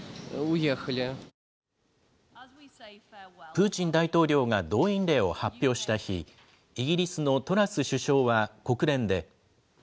プーチン大統領が動員令を発表した日、イギリスのトラス首相は国連で。